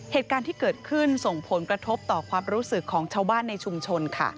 เหตุการณ์ที่เกิดขึ้นส่งผลกระทบต่อความรู้สึกของชาวบ้านในชุมชนค่ะ